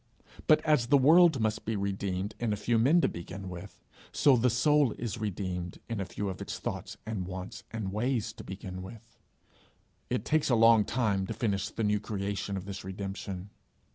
But as the world must be redeemed in a few men to begin with, so the soul is redeemed in a few of its thoughts and wants and ways, to begin with: it takes a long time to finish the new creation of this redemption.